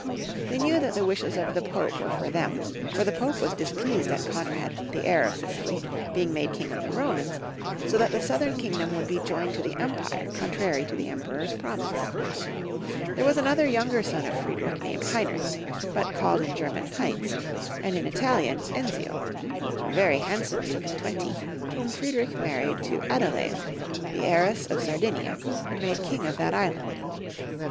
They knew that the wishes of the Pope were for them, for the Pope was displeased at Konrad, the heir of Sicily, being made king of the Romans, so that the southern kingdom would be joined to the empire, contrary to the Emperor's promise. There was another younger son of Friedrich named Hein rich, but called in German Heinz, and in Italian Enzio, a very handsome youth of twenty, whom Friedrich married to Adelais, the heiress of Sar dinia, and made king of that island.